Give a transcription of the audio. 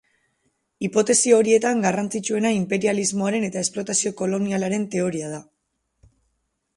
Hipotesi horietan garrantzitsuena inperialismoaren eta esplotazio kolonialaren teoria da.